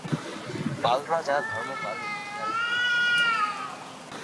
পাল রাজা ধর্মপাল এই বিহারের প্রতিষ্ঠাতা।